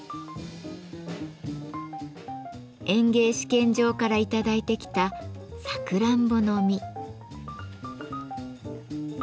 園芸試験場から頂いてきたサクランボの実。